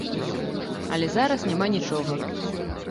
Але зараз няма нічога.